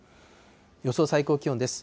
予想最高気温です。